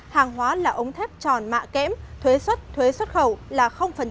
hàng hóa là ống thép tròn mạ kém thuế xuất thuế xuất khẩu là